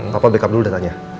papa backup dulu datanya